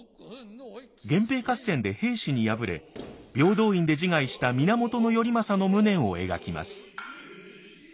源平合戦で平氏に敗れ平等院で自害した源頼政の無念を描きます。